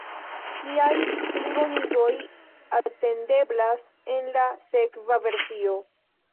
Kiaj plibonigoj atendeblas en la sekva versio?